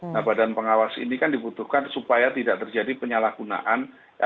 nah badan pengawas ini kan dibutuhkan supaya tidak terjadi penyalahgunaan